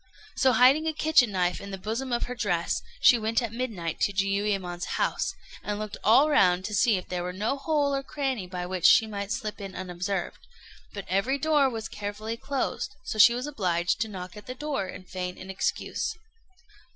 So hiding a kitchen knife in the bosom of her dress, she went at midnight to Jiuyémon's house, and looked all round to see if there were no hole or cranny by which she might slip in unobserved; but every door was carefully closed, so she was obliged to knock at the door and feign an excuse.